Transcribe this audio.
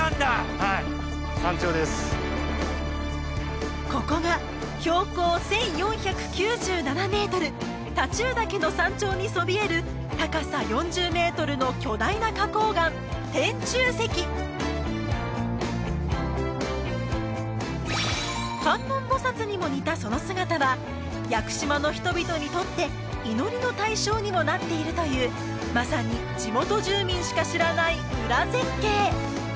はいここが標高１４９７ｍ太忠岳の山頂にそびえる高さ４０ｍの巨大な花こう岩「天柱石」観音ぼさつにも似たその姿は屋久島の人々にとって祈りの対象にもなっているというまさに地元住民しか知らないウラ絶景！